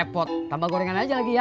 pak pak gue jalan dulu ya